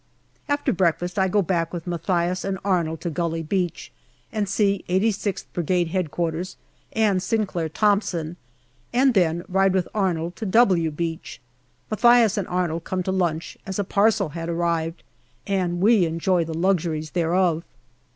After breakfast I go back with Mathias and Arnold to Gully Beach and see 86th Brigade H.Q. and Sinclair Thomson, and then ride with Arnold to " W " Beach. Mathias and Arnold came to lunch, as a parcel had arrived, and we enjoyed the luxuries thereof.